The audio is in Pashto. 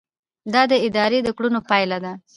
دا د ادارې د کړنو پایله ده.